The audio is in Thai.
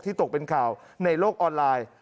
ตกเป็นข่าวในโลกออนไลน์